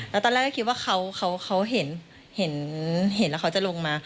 แล้วตอนแรกก็คิดว่าเขาเห็นแล้วเขาจะลงมา